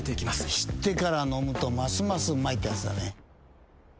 知ってから飲むとますますうまいってやつだね。